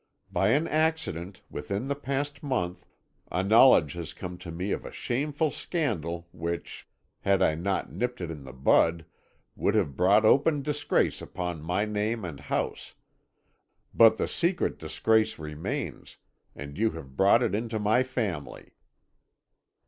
By an accident, within the past month, a knowledge has come to me of a shameful scandal which, had I not nipped it in the bud, would have brought open disgrace upon my name and house but the secret disgrace remains, and you have brought it into my family.'